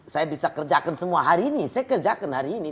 saya bisa kerjakan semua hari ini saya kerjakan hari ini